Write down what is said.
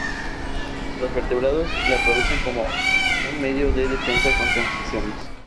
Los vertebrados la producen como un medio de defensa contra las infecciones.